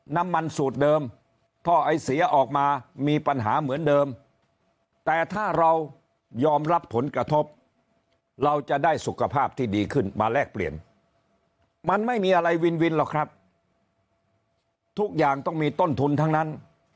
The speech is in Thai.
น้ำมันสูตรเดิมท่อไอเสียออกมามีปัญหาเหมือนเดิมแต่ถ้าเรายอมรับผลกระทบเราจะได้สุขภาพที่ดีขึ้นมาแลกเปลี่ยนมันไม่มีอะไรวินวินหรอกครับทุกอย่างต้องมีต้นทุนทั้งนั้น